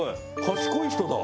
賢い人だ。